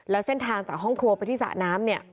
แล้วเส้นทางจากห้องครัวไปที่สระน้ำเนี่ย